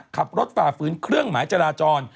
๕ขับรถฝ่าฟื้นเครื่องหมายจราจร